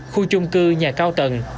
khu chung cư nhà cao tầng